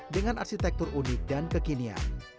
dengan arsitektur unik dan kekinian